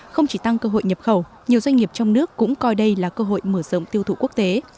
không chỉ tăng cơ hội nhập khẩu nhiều doanh nghiệp trong nước cũng coi đây là cơ hội mở rộng tiêu thụ quốc tế